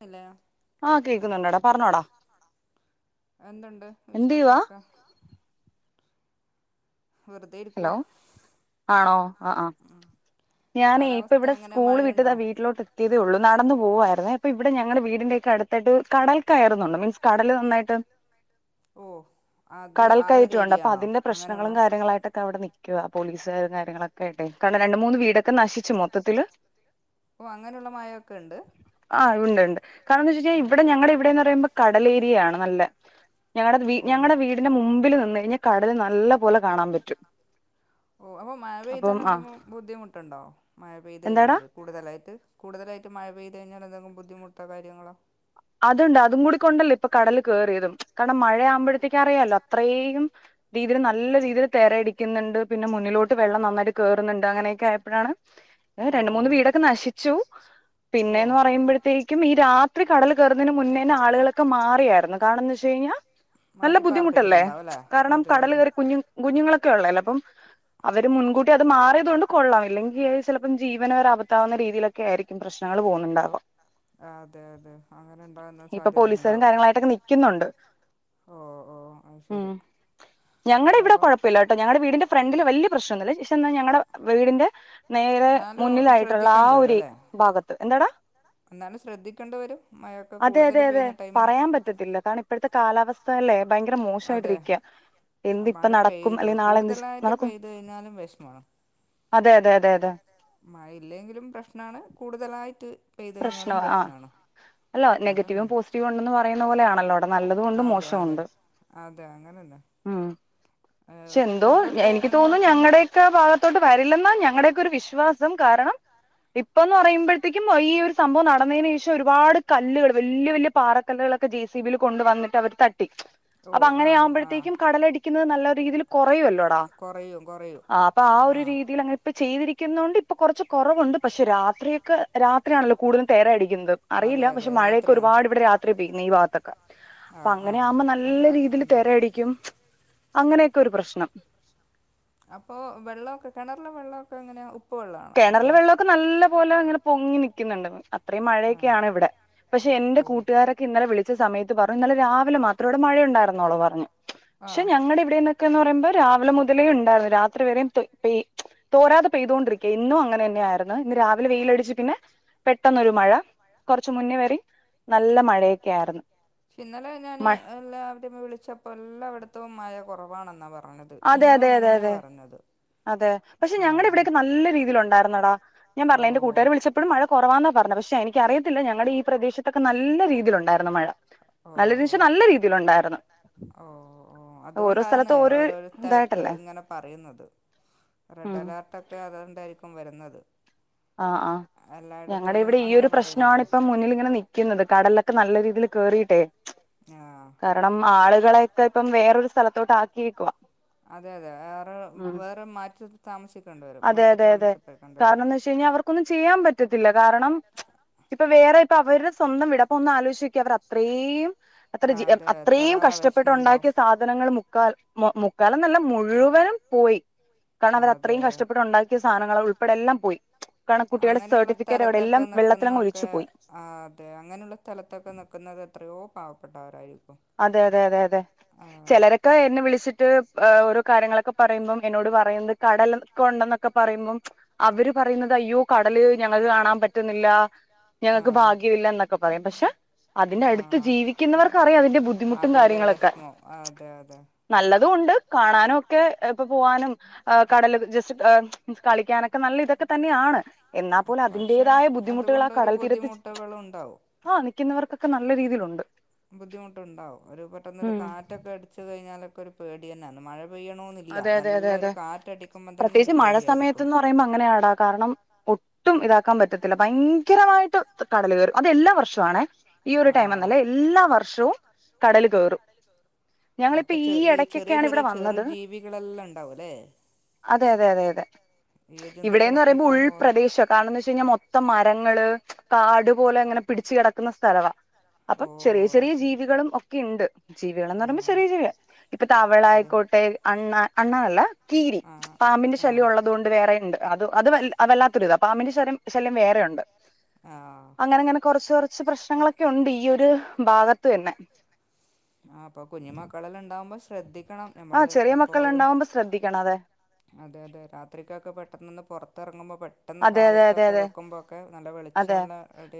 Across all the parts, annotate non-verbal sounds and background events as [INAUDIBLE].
Hello ആഹ് കേക്കാടാ പറഞ്ഞോടാ എന്തുണ്ട്? വിശേഷൊക്കെ? ഹലോ ആണോ? ആഹ് ആഹ് ഞാനേ ഇപ്പവിടെ സ്കൂള് വിട്ട്താ വീട്ട് ലോട്ടെത്തിയതേയൊള്ളൂ നടന്നു പോവായിരുന്നേ അപ്പൊയിവിടെ ഞങ്ങളടെ വീടിന്റെയൊക്കെ അടുത്തായിട്ട് കടൽ കയറണ്ട് മീൻസ് കടല് നന്നായിട്ട് കടൽ കയറ്റവുണ്ട് അപ്പതിന്റെ പ്രശ്നങ്ങളും കാര്യങ്ങളായിട്ടൊക്കെ അവിടെ നിക്കു വാ പോലീസുകാരും കാര്യങ്ങളൊക്കെയായിട്ടെ കാരണം രണ്ട് മൂന്ന് വീടൊക്കെ നശിച്ചു മൊത്തത്തില് ആഹ് ഉണ്ട്ണ്ട് കാരണന്ന് വെച്ചഞ്ഞാൽ ഇവിടെ ഞങ്ങള വിടെന്ന് റയുമ്പോ കടലേ ഏരിയയാണ് നല്ല, ഞങ്ങടെ ഞങ്ങടെ വീടിന്റെ മുമ്പിൽ നിന്ന് കഴിഞ്ഞൽ കടൽ നല്ല പോലെ കാണാം. ഓ അപ്പൊ മയപയ്‌തൽ എന്തെയും? ബുദ്ധിമുട്ടുണ്ടാവോ മഴ പെയ്ത് കഴിഞ്ഞാൽ? കൂടുതലായിട്ട്, കൂടുതായിട്ട് മഴയ്ത് കഴിഞ്ഞാൽന്തെങ്കിലും ബദ്ധമുട്ടോ കാര്യങ്ങളോ? അതുണ്ട്, അതും കൂടി കൊണ്ടല്ലേ ഇപ്പൊ കടൽ കേറിയതും. കാരണം മഴയാവുമ്പോഴത്തേക്കും അറിയാാലോ അത്രീം രീതിൽ നല്ല രീതിൽ തരയടിക്കുന്നുണ്ട്, പിന്നെ മുന്നിലോട്ട് വെള്ളം നന്നായിട്ട് കയറുന്നുണ്ട് അങ്ങനെയൊക്കെ ആയപ്പോഴാണ് ഏ രണ്ട മൂന്ന് വീടൊക്കെ നശിച്ചു, പിന്നെന്ന് പറയുമ്പോഴത്തേക്കും ഈ രാത്രി കടല് [UNINTELLIGIBLE] മുന്നേന ആളുകളൊക്കെ മാറിയായിരുന്നു, കാരണംന്ന് വെച്ചഴിഞ്ഞാൽ നല്ല ബുദ്ധിമുട്ടല്ലേ? കാരണം കടൽ കേറി കു കുഞ്ഞുങ്ങളൊക്കെ ഉള്ളല്ലേ അപ്പം അവര് മുൻകൂട്ടി അത് മാറിയത് കൊണ്ട് കൊള്ളാം ഇല്ലെങ്കിൽ [UNINTELLIGIBLE] ചിലപ്പം ജീവനവരെ അപത്താവുന്ന രീതിയിലൊക്കൊയിരിക്കും പ്രശ്നങ്ങൾ പോകുന്നുണ്ടാവ. അതെ അതെ അങ്ങനെ ഉണ്ടാവുന്ന സാധ്യത ഉണ്ടാവും. ഓഹ് ഓഹ് ഓഹ് അവ്ശരി ഞങ്ങടെ ഇവിടെ കുഴപ്പമില്ല ട്ടോ ഞങ്ങളുടെ വീടിന്റെ ഫ്രണ്ടില് വല്യ പ്രശ്നം ഒന്നുല്ല പക്ഷെ എന്നാ ഞങ്ങളടെ വീടിന്റെ നേരെ മുന്നിലായിട്ടുള്ള ആ ഒരു ഭാഗത്ത്. എന്താടാ? എന്നാലും ശ്രദ്ധിക്കണ്ടി വരും. അതെ അതെ അതെ പറയാൻ പറ്റത്തില്ല താണ് ഇപ്പഴത്തെ കാലാവസ്ഥ അല്ലേ ഭയങ്കര മോശമായിട്ടിരിക്ക. എന്തി ഇപ്പ നടക്കും അല്ലെങ്കി നാളെ എന്ത്‌ നടക്കും? അതെ അതെ അതെ അതെ. മഴ ഇല്ലെങ്കിലും പ്രശ്നാണ്, കൂടുതലായിട്ട് പെയ്തഴിഞ്ഞാലും പ്രശ്നാണ്. അല്ല, നെഗറ്റീവും പോസിറ്റീവും ഉണ്ടന്ന് പറയുന്ന പോലെയാണല്ലോ വിടെ നല്ലതുണ്ട്, മോശമുണ്ട്. ഉം ക്ഷെന്തോ എനിക്ക് തോന്നുന്നു ഞങ്ങടെ ആ ഭാഗത്തോട്ട് വരില്ലെന്നാ ഞങ്ങളുടെയൊക്കൊരു വിശ്വാസം കാരണം ഇപ്പന്ന് പറയുമ്പോഴത്തേക്കും ഈ ഒരു സംഭവം നടന്നേനെഷം ഒരുപാട് കല്ല്കള് വല്യ വല്യ പാറക്കല്ലുകൾ ഒക്കെ ജെ സി ബിൽ കൊണ്ട വന്നിട്ട് അവര് തട്ടി ഛെ അപ്പ അങ്ങനെ ആവുമ്പോഴത്തേക്കും കടലടി [UNINTELLIGIBLE] നല്ല രീതിൽ കുറയല്ലോടാ ആ അപ്പൊ ആ ഒരു രീതിൽഅങ് ചെയ്തിരിക്കുനോണ്ട് ഇപ്പൊ കൊറച്ച് കൊറവുണ്ട്, പക്ഷെ രാത്രിയൊക്കെ രാത്രിയാണല്ലോ കൂടുതലും തേരയടിക്കുന്നത്. അറിയില്ല പക്ഷെ മഴയക്കെ ഒരുപാട് ഇവിടെ രാത്രി പോയിത്ന ഈ ഭഗത്തൊക്കെ. അപ്പൊ അങ്ങനെ ആമ്പ നല്ല രീതിയിൽ തെരയടിക്കും അങ്ങനെയൊക്കെ ഒരു പ്രശ്നം. അപ്പോ വെള്ളോക്കെ കിണറിലെ വെള്ളോക്കെ എങ്ങനാ ഉപ് കേണർല വെള്ളോക്കെ നല്ലെ പോലെ ഇങ്ങനെ പൊങ്ങി നിക്കിന്ന്ണ്ട്. അത്രേം മഴയൊക്കെയാണ് ഇവിടെ പക്ഷെ എന്റെ കൂട്ടുകാരൊ ക്കെ എനിക്ക് ഇന്നലെ വിളിച്ച സമയത്ത് പറഞ്ഞു രാവിലെ മാത്ര വിടെ മഴയുണ്ടായിരുന്നോളൂ പറഞ്ഞു പക്ഷെ ഞങ്ങളടെ ഇവിടെന്ന് ക്കെ ന്ന് പറയുമ്പോ രാവിലമുതലേ ണ്ടായിരുന്നു രാത്രി വരെയു പെയ് തോരാതെ പെയ്തൊണ്ടിരി ഇന്നു അങ്ങനെയനെയായിരുന്നു. ഇന്ന് ന്ന് രാവിലെ വെയിലടിച്ചു പിന്നെ പെട്ടന്നൊരു മഴ കുറച്ചു മുന്നേ വേറി നല്ല മഴയെക്കെയാണ്. ന്നലെ ഞാൻ എല്ലാവരെ വിളിച്ച പ്പ എല്ലാായിടത്തും മഴ കുറവാണെന്നാ പറഞ്ഞത് ഇന്നും അങ്ങനെന്നെയ പറഞ്ഞത്. അതെ, പക്ഷെ ഞങ്ങളടെവിടെയക്കെ നല്ലെരീതിയിൽ ഉണ്ടായിരുന്നടാ. ഞാൻ പറഞ്ഞേലെ എന്റെ കൂട്ടുകാര് വിളിച്ച പ്പോഴും മഴ കുറവാന്നാ പറഞ്ഞത്. പക്ഷെ എനിക്കറിയത്തില്ല ഞങ്ങളുടെ ഈ പ്രദേശത്തൊക്കെ നല്ലെ രീതിയിലുണ്ടായിരുന്നു മഴ. ഓഹ്, അത്യാവശ്യം നല്ല രീതിയിൽ ഉണ്ടായിരുന്നു, ഓഹ് ഓഹ് അതുകൊണ്ടാന്നേ ഓരോരു സ്ഥലത്ത് ഇങ്ങനെ പറയുന്നത്, റെഡ് അലേർട്ടൊക്കെ അതുകൊണ്ടായിരിക്കും വരുന്നത്. ആഹ് ആഹ് ഞങ്ങളടെ ഇവിടെ ഈയൊ ഒരു പ്രശ്ന ആണിപ്പം മുന്നിലിങ്ങനെ നി ക്യുന്നത്. കടലൊക്കെ നല്ല രീതിയിൽ കേറിയിട്ടേ കാരണം ആളുകളെയൊക്കെ ഇപ്പം വേറൊരു സ്ഥലത്തോട്ട് ആക്കിയേകുവാ. അതെ അതെ വേറെ വേറെ മാറ്റി താമസിക്കേണ്ടി വരും. മാറ്റി താമസപ്പെക്കേണ്ടി വരും. ചെയ്യാ അവർക്കൊന്നും ചെയ്യാൻ പറ്റത്തില്ല. കാരണം ഇപ്പൊ വേറെ പ്പൊ അവരുടെ സ്വന്തം വീട. അപ്പോന്ന് ആലോചിചോകിയെ അവർ അത്രമ് അത്രജി അത്രേം കഷ്ടപ്പെട്ടുണ്ടാക്കിയ സാധ നങ്ങൾ മുക്കാൽ മു മുക്കാലന്നല്ല. മുഴുവനും പോയി. കാരണം അവർ അത്രയും കഷ്ടപ്പെട്ട് ഉണ്ടാക്കിയ സാധനങ്ങളാ ഉൾപ്പെടെ എല്ലാം പോയി. പോയി അങ്ങനെയുള്ള സ്ഥലത്തൊക്കെ നിക്ക്ന്നോക്കോ ആഹ് തെ അങ്ങനെള്ള സ്ഥലത്തൊക്കെ നിക്കുന്നത് എത്രയോ പാവപ്പെട്ടവരായിരിക്കും. അതെ തെ തെ തെ. ചിലരൊക്കെ എന്നെ വിളിച്ചിട്ട് ഓരോ കാര്യങ്ങളൊക്കെ പറയുമ്പം എന്നോട് പറയുന്നത് കടലൊഴുക്ക ഉണ്ടന്നൊക്കെ പറയുമ്പം അവര് പറയുന്നത് അയ്യോ കടല് ഞങ്ങള്ക്ക് കാണാൻ പറ്റുന്നില്ല. ഞങ്ങൾക്ക് ഭാഗ്യമില്ല എന്നൊക്കെ പറയും. പക്ഷെ. അതിന്റെ അടുത്ത് ജീവിക്കുന്നവർക്കറിയാം അന്റെ ബുദ്ധി അതിന്റെ വേഷമം. ആ അതെ അതെ നല്ലതുണ്ട്. കാണാനൊക്കെ ഇപ്പൊ പോവാനും ആഹ് കടല് ജസ്റ്റ് ച്ച് കളിക്കാനൊക്കെ നല്ല ഇതൊ ക്കെ തന്നെയാണ്. എന്നാ പോലും അതിന്റെതായ ബുദ്ധിമുട്ടുകൾ ആ കടൽ തീരത്ത് മ്‌ച്ച ആഹ് നിക്കുന്നവർക്കൊക്കെ നല്ല രീതിയിലുണ്ട്. ബുദ്ധിമുട്ടുണ്ടാവും. ഒരു പെട്ടെന്ന് ഒരു കാറ്റൊക്കെ അടച്ച് കഴിഞ്ഞാലൊക്കെ ഒരു പേടി തന്നെണ്. മഴ പെയ്യണോ - ഇല്ല. നല്ലൊരു കാറ്റ ടിക്കുമ്പോം തന്നെ ഒരു പേടിയായിരിക്കും. പറയ്പോ അങ്ങനെയാട കാരണം ഒട് ഒട്ടും ഇതാക്കാൻ പറ്റത്തില്ല. ഭയങ്കരമായിട്ട് കടല് കേറും. അതെല്ലാ വർഷ ആണേ. ഈ ഒരു ടൈം എന്നല്ല എല്ലാ വർഷവും കടൽ കേറും. അപ്പൊ ചെ ചെറിയ ചെറിയ ചെറു ജീവി കളെല്ലാം ണ്ടാവും. അല്ലേ? അതെ തെ തെ തെ ഇവിടെന്ന് പറയുമ്പോ ഉൾപ്രദേശൊ കാരണംന്ന് വെച്ച് കഴിഞ്ഞാ മൊത്തം മരങ്ങള് കാട് പോലെ ങ്ങനെ പിടിച്ച് കിടക്കുന്ന സ്ഥലവാ. അപ്പം ചെറിയ ചെറിയ ജീവികളും ഒ ക്കെ ഇണ്ട്. ജീവികളന്ന് പറയുമ്പോ ചെറിയ ചെറിയ ജീവികൾ ഇപ്പൊ തവളായിക്കോട്ടെ. അണ്ണ അണ്ണാനല്ല കീരി. പാമ്പിന്റെ ശല്യം ഉള്ളത് കൊണ്ട് വേറെ ഇണ്ട്. അത് അത് അത് വല്ലാത്തൊരുതാ പാമ്പിന്റെ ശല്യം വേറെ ഉണ്ട്. വേറെ ഉണ്ട്. ആഹ് അങ്ങനെ ഇങ്ങനെ കൊറച്ച് കൊറച്ച് പ്രശ്നങ്ങളൊക്കെ ഉണ്ട്. ഈ ഒരു ഭാഗത്ത് തന്നെ. ആഹ് അപ്പൊ കുഞ്ഞു മക്കളെല്ലാം ഉണ്ടാവുമ്പോ ശ്രദ്ധിക്കണം. നമ്മള് എപ്പോഴും. അതെ തെ രാത്രിക്കൊക്കെ പെട്ടെന്നൊന്ന് പുറത്തിറങ്ങുമ്പോൾ പ. അതെ തെ തെ അതെ അതെ തെ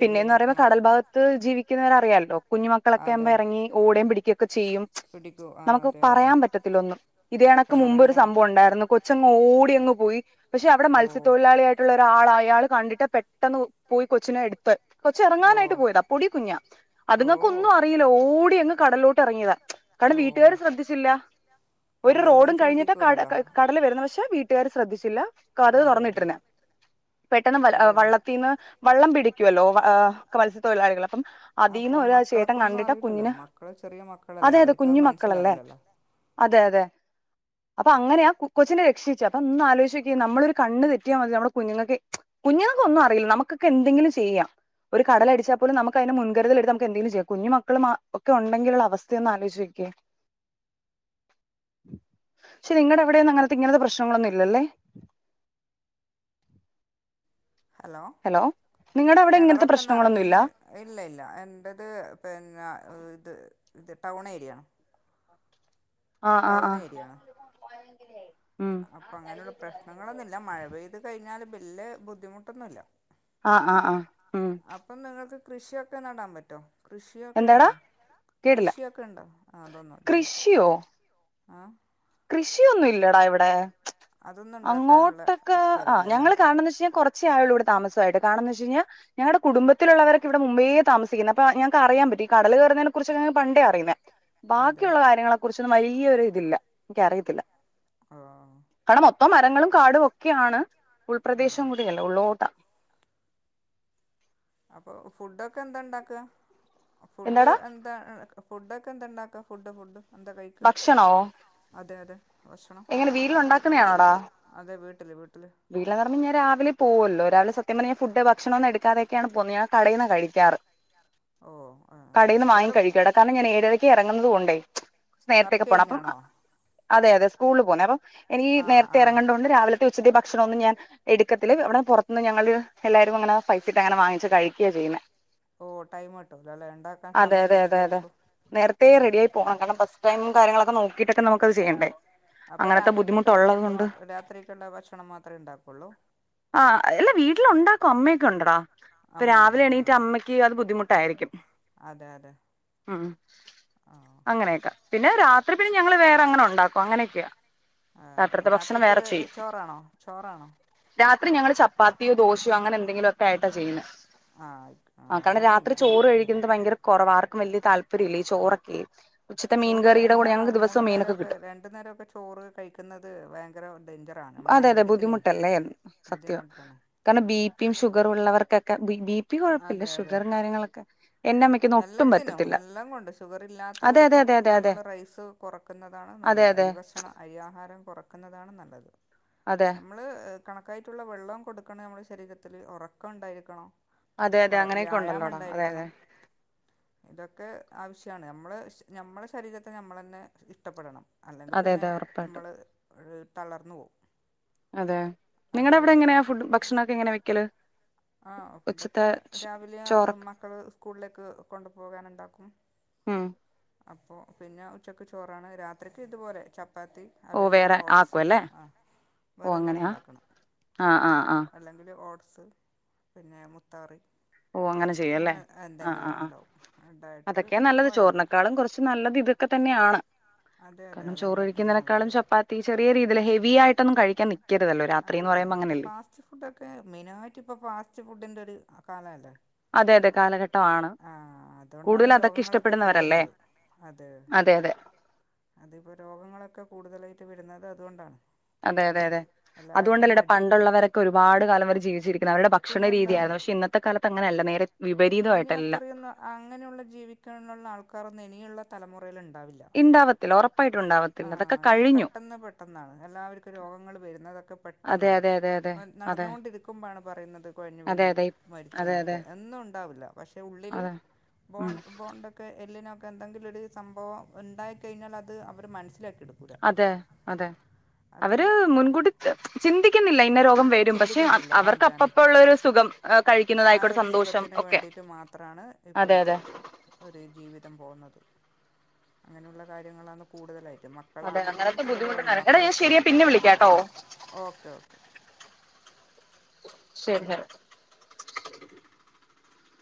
പിന്നെയന്ന് പറയുമ്പോ കടൽ ഭാഗത്ത് ജീവിക്കുന്നവരെ അറിയാല്ലോ. കുഞ്ഞുമക്കളൊക്കെ ആവുമ്പോ ഇറങ്ങി ഓട പിടികൊക്കെ ചെയ്യും. നമുക്ക് പറയാൻ പറ്റത്തില്ല ഒന്നും. ഇതേ അണക്ക് മുമ്പ് ഒരു സംഭവം ഉണ്ടായിരുന്നു. കൊച്ചങ്ങ് ഓടി അങ്ങ് പോയി പക്ഷെ അവിടെ മത്സ്യത്തൊഴിലാളി. ട്ട് ള്ളോരാള. അയാള് കണ്ടിട്ട് പെട്ടെന്ന് പോയി കൊച്ചിനെ എടു. ത്ത്. കൊച്ച് ഇറങ്ങാനായിട്ട് പോയതാ. പൊടി കുഞ്ഞ അത്ങ്ങക്ക് ഒന്നും അറി. ല്ല ഓടി അങ്ങ് കടലിലോട്ട് ഇറങ്ങിയതാ. കാരണം വീട്ടുകാാര് ശ്രദ്ധിച്ചില്ല. ഒരു റോഡും കഴിഞ്ഞിട്ട് കട കടൽ വരുന്ന പക്ഷെ വീട്ടുകാാര് ശ്രദ്ധിച്ചില്ല. കഥക് തുറന്നിട്ടിരുന്നേ. പെട്ടെന്ന് വള്ളത്തീന്ന് വള്ളം പിടിക്കുമല്ലോ ഇഹ് മനുഷ്യത്തൊഴിലാളികള്. അതീന്ന് ഒരാ ചേട്ടൻ കണ്ടിട്ടാ കുഞ്ഞിന് അതെ അതെ കുഞ്ഞു മക്കളല്ലേ. അതെ അതെ. അപ്പൊ അങ്ങനെ ആ കുകൊച്ചിനെ രക്ഷിചേ അപ്പൊ ഒന്ന് ആലോചിച്ചോക്ക നമ്മള ഒരു കണ്ണ് തെറ്റിയ മതി നമ്മള് കുഞ്ഞുങ്ങൾക് കുഞ്ഞുങ്ങൾക്ക് ഒന്നും അറിയില്ല നമുക്കൊക്കെ എന്തെങ്കിലും ചെയ്യാം ഒരു കടൽ അടിച്ചാൽ പോലും നമുക്കതിനെ മുൻകരുതൽ എടുത്ത് എന്തെങ്കിലും ചെയ്യാം കുഞ്ഞുമക്കൾ മ ഉണ്ടെങ്കിൽ ഉള്ള അവസ്ഥ ഒന്ന് ആലോചിച്ചു നോക്കിയേ ഒരു അടിച്ചാൽ പോലും നമുക്ക് കുഞ്ഞുമക്കൾ. ക്കെ. [INAUDIBLE] പക്ഷെ നിങ്ങളടെ എവിടെയൊന്നും അങ്ങനത്തെ ഇങ്ങനത്തെ പ്രശ്നങ്ങളൊന്നും ഇല്ലേ. ഹലോ കെണറൊക്കെ നിറഞ്. ഇല്ല ഇല്ല എന്റേത് പിന്നെ ഇത് ഇത് ടൗൺ ഏരിയാണ്. ടൗൺ ഏരിയാണ്ണ്. അപ്പൊ അങ്ങനെയുള്ള പ്രശ്നങ്ങളൊന്നുമില്ല മഴ പെയ്ത് കഴിഞ്ഞാല് ബെലെ ബുദ്ധിമുട്ടൊന്നുമല്ല. അപ്പൊ നിങ്ങൾക്ക് കൃഷിയൊക്കെ നടാൻ പറ്റോ. കൃഷിയൊക്കെ ഇണ്ടോ കൃഷിയൊക്കെ ഇണ്ടോ ആ അതൊന്നുംല്ലല്ലോ. ആഹ് കൃഷിയൊന്നും ഇല്ലടാ ഇവിടെ അങ്ങോട്ടൊക്കെ ആ ഞങ്ങൾ കാണന്നു വെച്ചാ കൊറച്ച്. കുറച്ചായേ ഉള്ളൂ ഇവിടെ താമസം ആയിട്ട് കാറണം വെച്ച് കഴിഞ്ഞാൽ. ഞങ്ങളുടെ കുടുംബത്തിലുള്ളവരക്ക ഇവിടെ മുമ്പേ താമസിക്കുന്നു അപ്പ ഞങ്ങക്ക് അറിയൻ പറ്റി. കടൽ കേറുന്നതിനെക്കുറിച്ച് പണ്ടേ അറിയില്ല ബാക്കിയുള്ള കാര്യങ്ങളെ കുറിച്ചൊന്നും വലിയൊരു ഇതില്ല. എനിക്ക് അറിയത്തില്ല. [UNINTELLIGIBLE] കടം മൊത്തം മരങ്ങളും കാടും ഒക്കെയാണ് ഉൾപ്രദേശം കൂടിയല്ലേ ഉള്ളോട്ടാ. അപ്പോ ഫുഡൊക്കെ എന്താ ഉണ്ടാക്ക ഫുഡ് എന്താ. ഫുഡൊക്കെ എന്താ ഉണ്ടാക്ക ഫുഡ് ഫുഡ് എന്താ കഴിക്ക ഭാഷണാവോ അതെ അതെ. എങ്ങനെ വീട്ടൽ ഉണ്ടാക്കുന്നതാണോടാ. അതെ വീട്ടില് വീട്ടില്. വീട്ടിൽ [UNINTELLIGIBLE] രാവിലെ പോകുവല്ലോ രാവിലെ സത്യം പറഞ്ഞാല് ഭക്ഷണം ഒക്കെ എടുക്കാതെ ആണ് ഞ പോ [UNINTELLIGIBLE] ഞാൻ കടയിന്നാ കഴിക്കാറ് കടയിന്ന് വാങ്ങി കഴിക്കും. കാരണം ഞാൻ ഏഴരക്ക് ഇറങ്ങുന്നുന്നത് കൊണ്ടേ. നേരത്തേക്കെ പോണം അപ്പം അതെ അതെ സ്കൂളിൽ പോണേ അപ്പം ഇനി നേരത്തെ ഇറങ്ങണ്ട കൊണ്ട് രാവിലെ. ഉച്ചടി ഭക്ഷണം ഒന്നും ഞാൻ എടുക്കത്തില്ല ഇവിടെ പുറത്ത് നിന്ന് ഞങ്ങള്ൾ എല്ലാവരും പായസ ഇട്ടു വാങ്ങിചാ. കഴിക്കുകയ ചെയ്യണെ ഓ ടൈം കിട്ടൂല്ലല്ലേ ഉണ്ടാക്കാൻ സമയം കിട്ടില്ലായിരിക്കോ നേരത്തെ റെഡി ആയി പോണം രണം ഫസ്റ്റ് ടൈം കാര്യങ്ങളൊക്കെ നോക്കിയിട്ടൊക്കെ നമുക്കത് ചെയ്യണ്ടേ അപ്പൊ രാത്രിക്കൊത്തെ ഫുഡ് മാ രാത്ക്കുള്ള ഭക്ഷണം മാത്രമേ ഉണ്ടാക്കുള്ളൂ ആ അല്ല വീട്ടില ഉണ്ടാക്കും അമ്മക്കെ ഉണ്ടടാ ഇപ്പൊ രാവിലെ എണീറ്റ് അമ്മക്ക് അത് ബുദ്ധിമുട്ടായിരിക്കും ഉം അങ്ങനെയൊക്കെ പിന്നെ രാത്രി പിന്നെ ഞങ്ങള് വേറെ അങ്ങനെ ഉണ്ടാക്കും അങ്ങനെയൊക്കെയാ ത്രത്തെ ഭക്ഷണം വേറെ ചെയ്യും [UNINTELLIGIBLE] ചോറാണോ രാത്രി ഞങ്ങള്ൾ ചപ്പാത്തിയോ ദോശയോ അങ്ങനെ എന്തെങ്കിലുമ ഒക്കെ ആയിട്ടാ ചെയ്യുന്നത് അഹ് കാരണം രാത്രി ചോറ് കഴിക്കുന്നത് ഭയങ്കര കുറവ ആർക്കും വല്യ താല്പര്യം ഇല്ല ഈ ചോറൊക്കെ ചോറ് എല്ലാ മൂന്നു നേരോക്കെ രണ്ടു നേരൊക്കെ ചോറ് കഴിക്കുന്ന ത് ഭയങ്കരം ഡേഞ്ചറാണ് നമ്മളെ ആരോഗ്യത്തിന് ബുദ്ധിമുട്ടണ് കാരണം ബിപിയും ഷുഗറും ഉള്ളവർക്കൊക്കെ ബി ബി പി കുഴപ്പമില്ല ഷുഗറും കാര്യങ്ങളൊക്കെ എല്ലാത്തിനും എല്ലാം കൊണ്ട് ഷുഗർ ഇല്ലാത്തവർക്കും നമ്മൾ റൈസ് കൊറ ക്കുന്നതാണ് നല്ലത് അരിഭക്ഷണം അരി ആഹാരം കുറക്കുന്നതാണ് നല്ലത് അതെ നമ്മള് കണക്കായിട്ടുള്ള വെള്ളം കൊടുക്കണ നമ്മുടെ ശരീരത്തില്ൽ ഉറക്കം ഉണ്ടായിരിക്കണം വർ വ്യായാമം ഉണ്ടായിരിക്കണം ഇതൊക്കെ ആവശ്യമാണ് നമ്മള് നമ്മുടെ ശരീരത്തെ നമ്മൾ തന്നെ ഇഷ്ടപ്പെടണം അല്ലെങ്കിൽ പിന്നെ നമ്മള് തളർന്ന് പോവും അതെ നിങ്ങളടെ അവിടെ എങ്ങനെയാ ഫുഡ് ഭക്ഷണ ഒക്കെ എങ്ങനെ വെക്കല് ആഹ് ഫുഡൊക്കെ രാവിലെ മക്കള് സ്കൂളിലേക്ക് കൊണ്ടു പോകാനുണ്ടാക്കും ഉം അപ്പോൾ പിന്നെ ഉച്ചയ്ക്ക് ചോറാണ് രാത്രിക്ക് ഇതുപോലെ ചപ്പാത്തി അല്ലെങ്കിൽ ഓട്ട്സ് ആ വേറെ എന്തെങ്കിലും ഉണ്ടാക്കണം അല്ലെങ്കില് ഓട്സ് പിന്നെ മുത്താറി ഓ അങ്ങനെ ചെയ്യ അല്ലേ ആഹ് ആ ആ അതൊക്കെ നല്ലത് ചോറിനൊക്കെ ക്കാളും കുറച്ച് നല്ലത് ഇതൊക്കെ തന്നെയാണ് കാരണം ചോറ്ഴിക്കുന്നതിനേക്കാളും ചപ്പാ ത്തി ചെറിയ രീതിൽ ഹെവി ആയിട്ടൊന്നും കഴിക്കാൻ നിൽക്കരുതല്ലോ രാത്രിന്ന് പറയുംപോ അങ്ങനെയല്ലേ ഫാസ്റ്റ് ഫുഡൊക്കെ മെയിനായിട്ട് ഇപ്പൊ ഫാസ്റ്റ് ഫുഡിന്റെ ഒരു കാലം അല്ലേ ആഹ് അതുകൊണ്ടാണ് രോഗങ്ങളൊക്കെ കൂടുന്നത് അതെ അതെ അതിപ്പോൾ രോഗങ്ങളൊക്കെ കൂടുതലായിട്ട് വരുന്നത് അതുകൊണ്ടാണ് അതെ അതെ അതെ അതുകൊണ്ടല്ലെടാ പണ്ടുള്ളവരൊക്കെ ഒരുപാട് കാലം വരെ ജീവിച്ചിരിക്കുന്നെ അവരുടെ ഭക്ഷണ രീതിയായിരുന്നു പക്ഷെ ഇന്ന ത്തെ കാലത്ത് അങ്ങനെ അല്ല നേരെ ഇനി അത്രയൊന്ന് അങ്ങനെയുള്ള ജീവിക്കാനുള്ള ആൾക്കാരൊന്നും ഇനിയുള്ള തലമുറൽ ഉണ്ടാവില്ല ആഹ് ഇനി പെട്ടൊന്ന് പെട്ടൊന്നാണ് എല്ലാവർക്കും രോഗങ്ങൾ വരുന്നത്തൊക്കെ പെ ട്ടൊന്നാണ് നടന്നുകൊണ്ടിരിക്കുമ്പോയാണ് പറയുന്നത് കുഴിഞ്ഞ് വീണ് മരിച്ചു എന്നൊക്കെ എന്നുണ്ട് ണ്ടാവില്ല പക്ഷെ ഉള്ളിൽ വോൺ വോൺ പണ്ടൊക്കെ എല്ലിനൊക്കെ എന്തെങ്കിലും ഒരു സംഭവം ഉണ്ടായി കഴിഞ്ഞാൽ അത് അവർ മനസ്സിലാക്കി അതെ അതെ അവര് മുൻകൂട്ടി ചിന്തിക്കുന്നില്ല ഇന്ന രോഗം വരും പക്ഷെ അവ അവർക്ക് അപ്പപ്പം ഉള്ള ഒരു സുഖം കഴിക്കുന്നതായിക്കോട്ടെ സന്തോഷം ഒക്കെ ഇപ്പോഴത്തെ ഒരു ജീവിതം പോകുന്നത് അങ്ങനെയുള്ള കാര്യങ്ങളാണ് കൂടുതലായിട്ട് മ ക്കളാണെങ്കിലും അതുപോലെ തന്നെ മക്കള്ക്ക് ഓക്കെ ഓക്കെ ശരിയാണ്